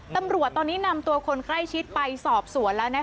ตำรวจตอนนี้นำตัวคนใกล้ชิดไปสอบสวนแล้ว